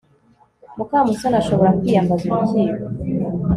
mukamusoni ashobora kwiyambaza urukiko